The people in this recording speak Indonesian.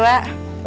baik mas dewa